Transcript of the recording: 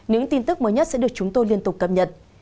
những tin tức mới nhất sẽ được chúng tôi liên tục cập nhật